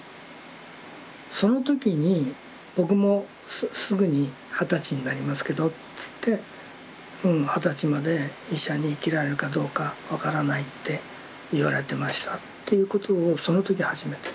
その時に「僕もすぐに二十歳になりますけど」っつって「二十歳まで医者に生きられるかどうか分からないって言われてました」っていうことをその時初めて。